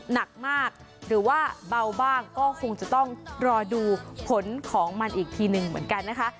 หนักมากหรือว่าเบาบ้างก็คงจะต้องรอดูผลของมันอีกทีหนึ่งเหมือนกันนะคะ